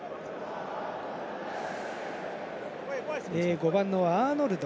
５番のアーノルド。